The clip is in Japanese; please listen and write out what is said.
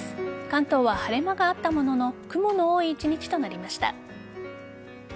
関東は晴れ間があったものの雲の多い１日となりました。